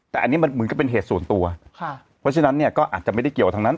แต่อันนี้มันเหมือนกับเป็นเหตุส่วนตัวค่ะเพราะฉะนั้นเนี่ยก็อาจจะไม่ได้เกี่ยวทั้งนั้น